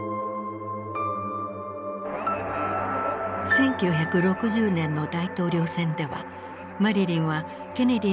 １９６０年の大統領選ではマリリンはケネディの選挙活動にも参加。